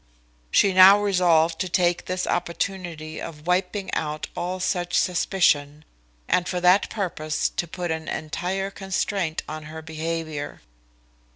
She now resolved to take this opportunity of wiping out all such suspicion, and for that purpose to put an entire constraint on her behaviour.